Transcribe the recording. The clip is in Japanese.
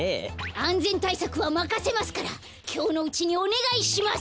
あんぜんたいさくはまかせますからきょうのうちにおねがいします。